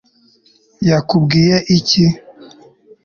yakubwiye iki